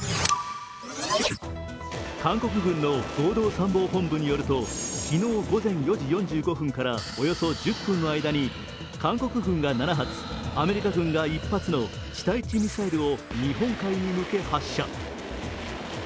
韓国軍の合同参謀本部によると昨日午前４時４５分からおよそ１０分の間に、韓国軍が７発、アメリカ軍が１発の地対地ミサイルを日本海に向け発射。